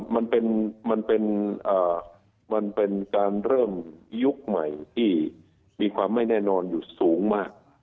มันมันเป็นการเริ่มยุคใหม่ที่มีความไม่แน่นอนอยู่สูงมาก